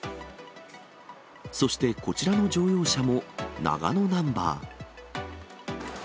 そしてこちらの乗用車も長野ナンバー。